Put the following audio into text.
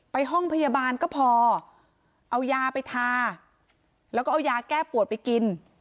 ห้องพยาบาลก็พอเอายาไปทาแล้วก็เอายาแก้ปวดไปกิน